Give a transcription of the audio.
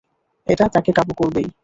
এটা তাকে কাবু করবেই।